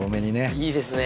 いいですね。